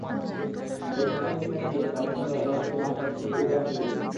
প্রত্যক্ষদর্শীরা জানিয়েছে, তারা একটা দানবকে বাতাস কেটে উড়ে আসতে দেখেছে।